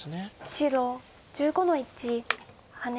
白１５の一ハネ。